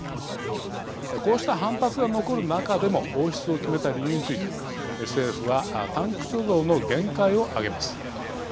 こうした反発が残る中でも放出を決めた理由について政府はタンク貯蔵の限界を挙げます。